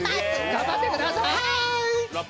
頑張ってください。